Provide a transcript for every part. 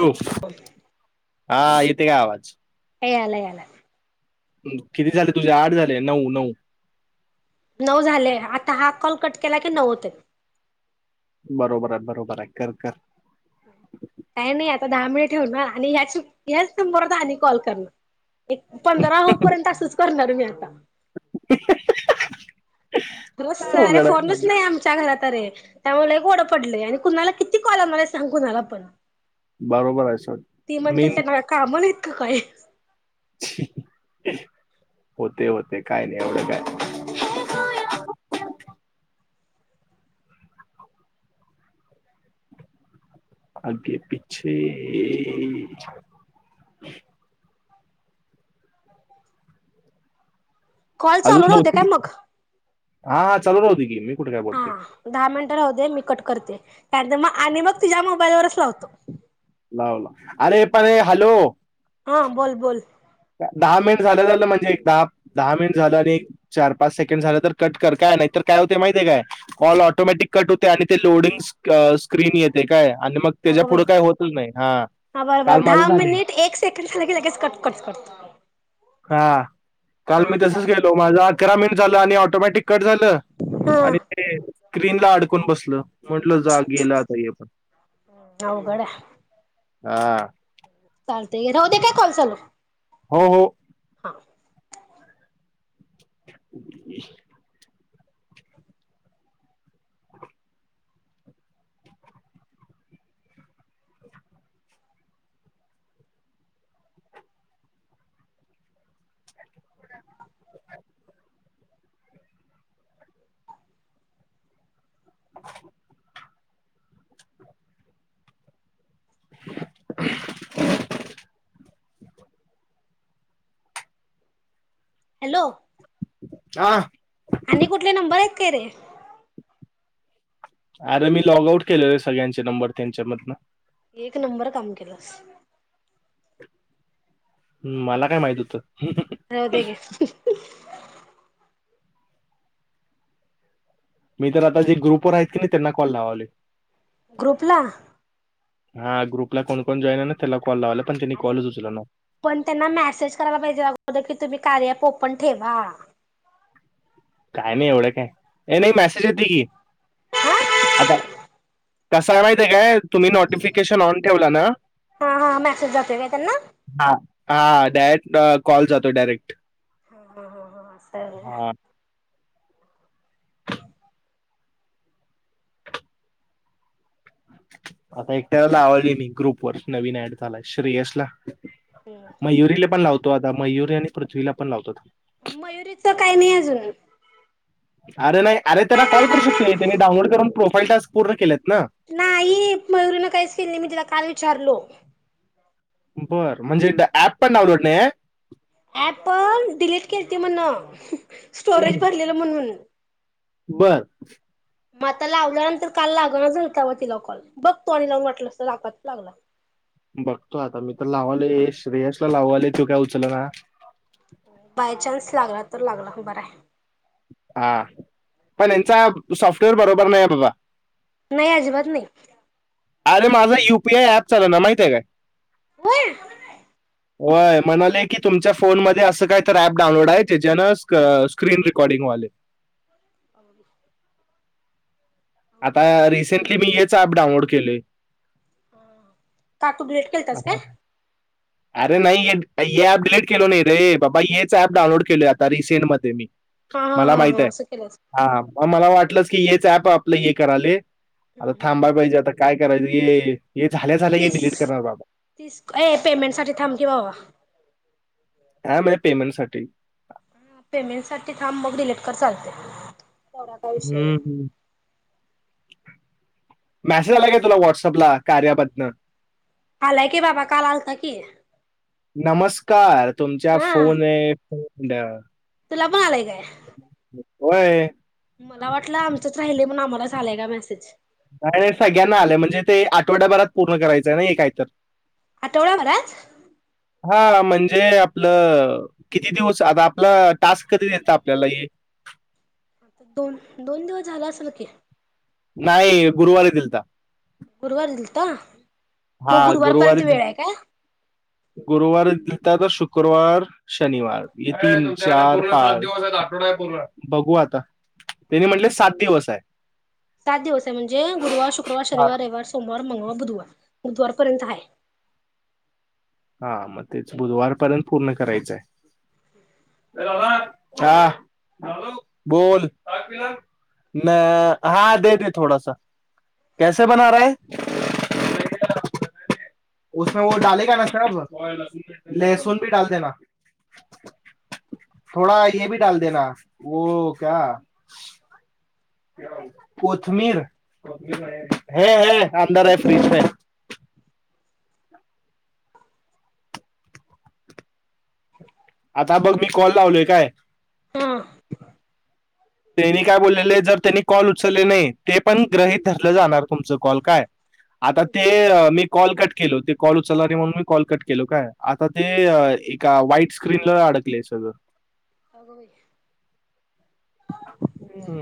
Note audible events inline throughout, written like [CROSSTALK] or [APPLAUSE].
हो हा येते काय आवाज? यायलाय याला याला किती झाले तुझे आठ झाले नऊ नऊ नऊ झाले आता हा कॉल कट केला की नऊ होते. बरोबर आहे बरोबर आहे कर कर काही नाही आता दहा मिनट ठेवणार आणि ह्याच ह्याच नंबरवर आणि कॉल करणार, एक पंधरा होईपर्यंत असंच करणार, मग आता अ् [INAUDIBLE] रस काय [UNINTELLIGIBLE] अरे अवघड आहे? फोनच नाही आमच्या घरात अरे. त्यामुळे ओडं पडलं आणि कुणाला किती कॉल आला आहे सांग कुणाला पण. बरोबर आहे सर मेन क काय होते होते काय नाही एवढं काय. बू हो [UNINTELLIGIBLE] आगे पिछे कॉल चालू अजून दोन नव्हते काय तीन मग? हा चालू राहूदे गी मी कुठे काय हा बोलते दहा मिन राहूदे मी कट करते [UNINTELLIGIBLE] मग आणि मग तुझ्या मोबाईलवरच लावतो. लाव लाव अरे पण हॅलो. हा बोल बोल. दहा मिनिट झालं झालं म्हणजे एक दहा दहा मिनिट झालं आणि एक चार पाच सेकंड झालं तर कट कर काय नाहीतर काय होते माहितीय काय कॉल ऑटोमॅटिक कट होते आणि ते लोडिंग स्क्रीन येते काय. आणि मग त्याच्या अगं बाई पुढे काय होतच नाही हा बरं काल बरं माझं दहा झाले मिनिट एक सेकंड लगेच कट कर. हा काल हा मी तसच गेलो चालत माझा अकरा मिन झालं आणि ऑटोमॅटिक. कट झालं आणि हा ते. स्क्रीन ला अडकून बसलं. म्हटलं जा गेलं आता हे पण. अवघड हा चालत राहू दे्य काय कॉल चालू. हो हो. व [UNINTELLIGIBLE] न [UNINTELLIGIBLE] डी [UNINTELLIGIBLE] हॅलो, नाआ. आणि कुठले नंबर आहेत काय रे? अरे मी लॉग आउट केलेलं सगळ्यांचे नंबर त्यांच्यामधनं. एक नंबर काम केलंस. ह् मला काय माहित होतं. राव दे गे. मी तर आता जे ग्रुपवर आहेत की नाही त्यांना कॉल लावाले. ग्रुप ला? हा ग्रुप ला कोण कोण जॉईन आहे ना त्याला कॉल लावायले. अरे पण त्यांना मेसेज करायला पाहिजे अग की तुम्ही कार्या पोपट ठेवा. काय नाही एवढं काय. हे नाही मेसेज येत की आता. कसय माहितीय काय? तुम्ही नोटिफिकेशन ऑन ठेवला ना. हा हा मेसेज जातोय काय त्यांना हा हा दट. कॉल जातोय डायरेक्ट हा हा हा अस आहे होय. हा आता एकट्याला आवडली मी ग्रुप वर नवीन ऍड झालाय श्रेयस ला. मग मयुरी ला पण लावतो आता. मयुरी आणि पृथ्वीला पण लावतात. मयुरीच काही नाही अजून. अरे नाही. अर त्यांना कॉल करू शकते त्यांनी डाऊनलोड करून प्रो प्रोफाईल टास्क पूर् केलेत. ना नाही मयुर न काहीच केल नाही मी तिला काल विचारलो. बर म्हणजेदा ऍप पण डाऊनलोड नाही आहे? ऍप पण डिलीट केती म्हणून. आहे? स्टोरेज भरलेलं म्हणून. बर. म आता लावल्यानंतर काल लागणारचलता म तिला कॉल बघ तो आणि लावून वाटलं अस लागत लागला. बघतो आता मी तर लावा आल रेयसला लावू आले तू काय उचल ना. बायचान्स लागला तर लागला बर आहे. हा पण यांचा सॉफ्टवेअर बरोबर नाही बाबा. नाही अजिबात नाही. अरे माझा युपीआय ऍप चाल ना माहिती आहे का. होय. होय म्हणाले की तुमच्या फोनमध्येध्ये असं काहीत ऍप डाउनलोड आहे ज्याच्या ना स्क्रीन रेकॉर्डिंगवाले. अ. आता रिसेंटली मी येत. प डाऊनलोड केले. का तू डिलीट केलतास काय अरे नाही ये त. ऍप डिलीट केलो नाही रे बाबा हेचऍप डाऊनलोड केलय आता रिसेंट मध्ये मी. हा हा मला हा माहित हा आहे असं केलंस हा हा मग मला वाटलं. क ये च आप. आप हे कराले. आता हम्म हम्म थांबायला पाहिजे आता काय. करायचीे. तीस तीस ए पेमेंट साठी थांबकी बावा. हा म्हणजे पेमेंट साठी. पेमेंट साठी कोरा का विष हम्म. हम्म. मेसेज आला का तुला व्हॉटसअपला कार्याबदन आलाय की बाबा काल आलत की नमस्कार तुमच्या हा फोन आहे बी तुला पण आय [INAUDIBLE] होय मला वाटलं आमचं सहिले म नावला चाले का मॅसेज आणि सगळ्यांना आलय म्हणजे ते आठवड्याभरात पूर्ण करायचंय ना हे काय तर आठवडाभरात हा म्हणजे आपलं किती दिवस आता आपला टास्क कधी दिलता आपल्याला आहे आता दोन दोन दिवस झाल असेल की नाही गुरुवारी दिलता गुरुवारी दिलता हा मग गुरुवारपर्यंत गुरुवारी दि वेळ आहे काय? गुरुवारी तर शुक्रवार शनिवार तीन चार पाच बघू आता त्यांनी म्हटले सात दिवस आहे सात दिवस आहे म्हणजे गुरुार शुक्रवार हा शनिार रविवार सोमवार मंगळ बुधवार बुधवार पर्यंत हाय हा मग तेच बुधवारपर्यंत पूर्ण करायचं आहे हा बोल न हा दे दे थोडासा कैसे बना रहामे व ले का न लहसुन भी डल देना थोडा ये भी डल देना व क कोथमीर है है अंदर आहे फ्रीिज पे आता बघ मी कॉल लावलोय काय हा त्यांनी काय बोललेलं आहे जर त्यांनी कॉल उचलले नाही ते पण गृहीत ठरलं जाणार तुमचं कॉल काय आता ते मी कॉल कट केल ते कॉल उचलला रे म्हणून मी कॉल कट केलो काय आता ते एका वा्हाईट स्क्रीनला अडकलय सगळं अगप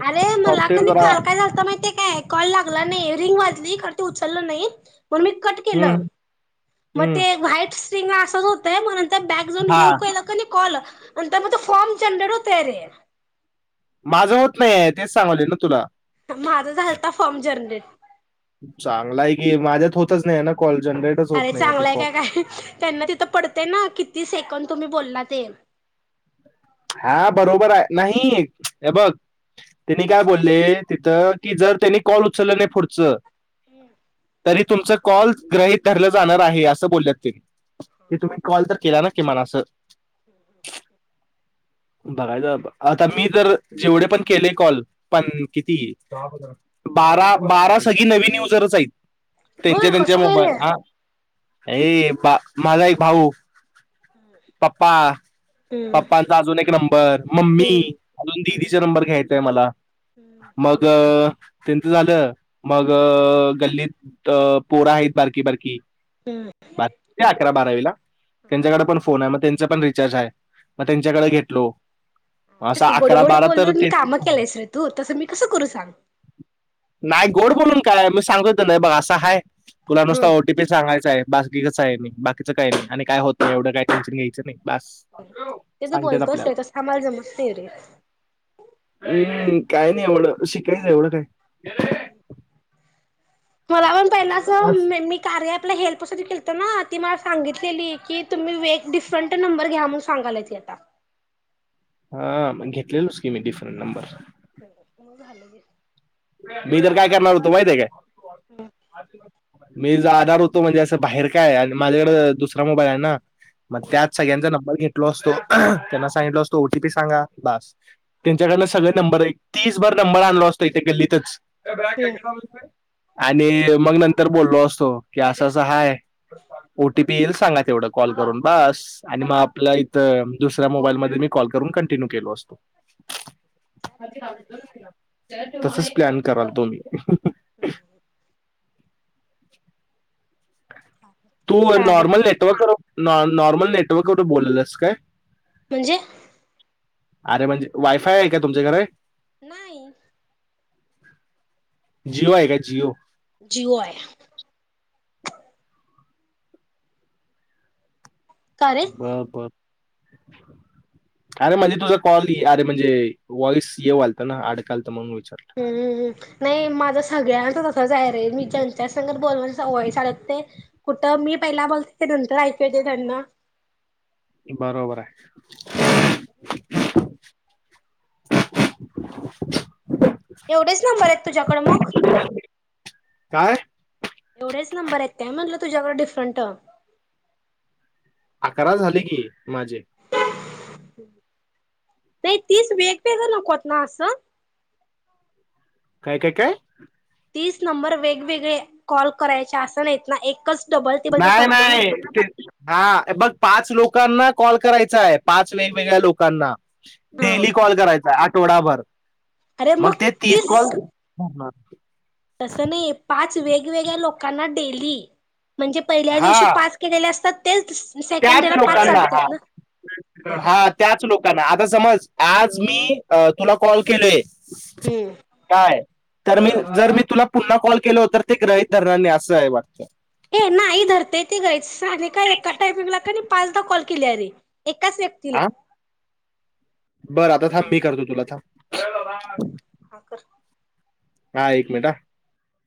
अरे मला का सॉफ्टवेअर जरा काल काय झालत माहि काय कॉल लागला नाही रिंग वाजली उचलला नाही पण मी कट हम्म, केलं मग हम्म. ते व्हाईट असंच होतंय बॅग जाऊन हा लिहऊ का का कॉल आणि त्या म फॉर्म जनरेट होतय आरे माझं होत नाहीय तेच सांगालोय ना तुला. माझा झालता फॉर्म जरनेट. चांगला आहे की माझ्यात होतच नाही ना कॉल जनरेटच होत अरे नाही ते चांगलाय फॉर्म का काय त्यांना तिथं पडतेंय ना किती सेकंड तुम्ही बोललात. ते हा बरोबर आहे नाही हे बघ त्यांनी काय बोलले तिथं की जर त्यांनी कॉल उचललं नाही पुढचं तरी तुमचं कॉल ग्रहित धरलं जाणार आहे असं बोल्यात ते. ते तुम्ही कॉल तर केला ना की मला असं [INAUDIBLE] बघायचं आता आता मी जर जेवढे पण केले कॉल पन किती बारा बारा सगळी नवीन युजरच आहेत. तेंच्या होय तेंच्या कसं काय मोबाईल रे? आं ए बा माझा एक भाऊ, पप्पा हम्म पप्पांचा अजून एक नंबर मम्मी हम्म अजून हम्म दिदीचा नंबर घ्यायचाय मला मग. त्यांचं झालं मगअ गल्लीत अ पोर हायत बारकी बारकी. हम्म बा र्की अकरा बारावीला त्यांच्याकडं पण फोन आहे म तें पण रिचार्ज हाय. म तेंच्याकडे घेतलो तेच असा की गोड अकरा गोड बारा तर बोलून तें कामं केलंयस रे तू तसं मी कसं करू सांग नाय गोड बोलून काय मी सांगितलं ना ब असं हाय. तुला नुसता हं ओटीपी सांगायचाय. बाकी कसंय मी बा च काय नाही आणि काय होतं नाय एवढं का त्याचं घेयचं नाय. बास. ते तु बोलतोस ते तसं आम्हाला जमत नाय रे. एवड शिकायचं एवड काय. [INAUDIBLE] मला पण पहिलं असं म मी कार्या- आपल्या हेल्पसाठी केलतं ना ती मला सांगितलेलं की तुम्ही वे एक डिफरंट नंबर घ्या म्हणू सांगायल्या ती आता. आ मग घेतलेलोच की मी डिफरंट नंबर. बरबर मगझालं गेलं. मी तर काय करणार होतो माहितीये काय? हम्म. मी जानार हुतो म्हंजे असं बाहेर काय आन माझ्याकडं दुसरा मोबाईलायना. हम्म मत्यात सगळ्यांच नंबर घेत टलो असतो अहं त्यांना सांगिटलो असतो ओटीपी सांगा बास त्यांच्याकडन सगळे नंबर एक तीसभर नंबर आणलो असतो इथं गल्लीत तक्स हम्म [UNINTELLIGIBLE] आनी मग नं तर बोल्लो असतो की असं असं हाय ओटीपी यील सांगा तेवढं. कॉल करून बास आणि मग आपल्या इथ दुसऱ्या मोबाईल म मी कॉल करून कंटिन्यू केलो असतो [UNINTELLIGIBLE] [UNINTELLIGIBLE] प्लॅन करलतो मी तू साडे नॉर्मल नेटवर्क कर नॉ नॉर्मल नेटवर्कवरे बोललस काय म्हणजे अरे म्हणजे वायफाय आहे का तुमच्याकडे नाही जिओ आहे का जिओ जिओ आहे का रे बर बर अरे म्हणजे तुझा कॉल अरे म्हणजे वॉइस ये वालत ना अडकाल तर म्हणून विचारलं हम्म नाही माझ्या सगळ्यांच जाय रे मी ज्यांच्या सगत बोलव वयस अडकतय ते कुठं मी पहिला बोलते ते नंतर ऐकूते त्यांना बरोबर आहे [INAUDIBLE] एवढेच नंबर आहेत तुझ्याकडे मग [INAUDIBLE] काय एवढेच नंबर आहेत काय म्हणलं तुझ्याकडे डिफरंट खरा झाली की माझे नाही तीच [UNINTELLIGIBLE] नकोत ना असं काय काय काय तीच नंबर वेगवेगळे कॉल करायचे असं नाहीत ना एकच डबल टेबलचा नाही चालतोय ना नाही ते हा बघ पाच लोकांना - कॉल करायचाय पाच वेगवेगळ्या लोकांना हा डेली कॉल करायचा टोडाभर अरे मग तीस [INAUDIBLE] तस नाही पाच वेगवेगळ्या लोकांना डेली म्हणजे पहिल्या दिवशी हा पाच केलेले असतात तेच सेकंड त्याच डेला पाच लोकांना चालतात ना हा हा त्याच लोकांना आता समज आज मी अ तुला कॉल केले हम्म. तर मी जर मी तुला पुन्हा कॉल केल हो तर ते ग्रहित धरणार नाही असं आहे वाटतं. ये नाही धरते ते ग साने काय एका टायपिंग ला कानी पाचदा कॉल केल्या रे एकाच हा व्यक्तीला बरं आता थांब मी करतो तुला थांब. हा कर. हा एक मिनिट ह